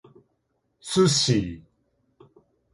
sushi